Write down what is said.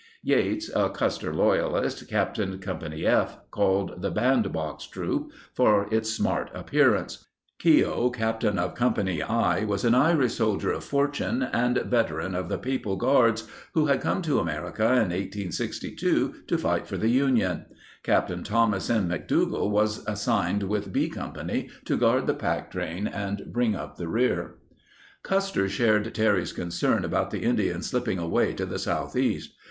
Yates, a Custer loyalist, captained Company F, called the "band box troop" for its smart appearance. Keogh, captain of Company I, was an Irish soldier of fortune and veteran of the Papal Guards who had come to America in 1862 to fight for the Union. Capt. Thomas M. McDougall was assigned with B Com pany to guard the packtrain and bring up the rear. Custer shared Terry's concern about the Indians slipping away to the southeast.